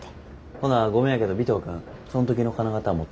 ほなごめんやけど尾藤君そん時の金型持ってきて。